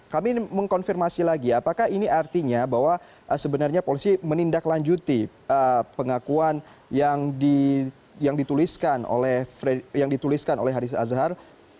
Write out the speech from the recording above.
kami mengkonfirmasi lagi apakah ini artinya bahwa sebenarnya polisi menindaklanjuti pengakuan yang dituliskan oleh haris azhar